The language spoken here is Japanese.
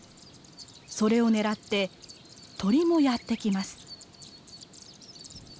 それを狙って鳥もやって来ます。